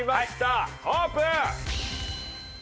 オープン！